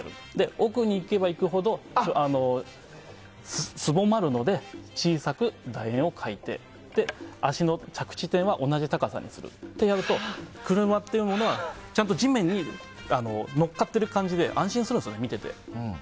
奥にいけばいくほどすぼまるので小さく楕円を描いていって足の着地点は同じ高さにするってやると車っていうものは地面に乗っかっている感じで安心するんですよね、見ていて。